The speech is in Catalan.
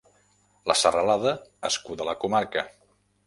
La serralada escuda la comarca.